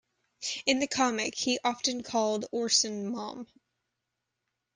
In the comic, he often called Orson Mom.